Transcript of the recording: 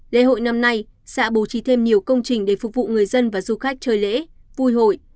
lễ hội năm nay xã bố trí thêm nhiều công trình để phục vụ người dân và du khách chơi lễ vui hội